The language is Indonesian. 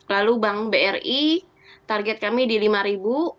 lalu bank bri target kami di rp lima